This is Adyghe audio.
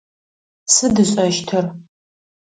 Сыд ышӏэщтыр?